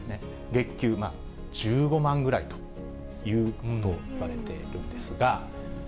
月給１５万ぐらいということをいわれているんですが。